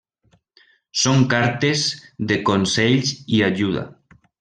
Són cartes de consells i ajuda.